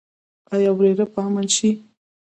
آیا ویره به امن شي؟